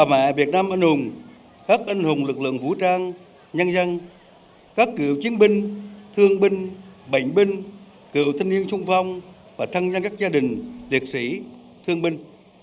bà mẹ việt nam anh hùng các anh hùng lực lượng vũ trang nhân dân các cựu chiến binh thương binh bệnh binh cựu thanh niên sung phong và thân nhân các gia đình liệt sĩ thương binh